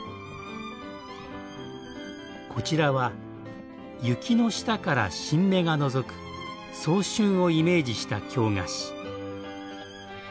こちらは雪の下から新芽がのぞく早春をイメージした京菓子。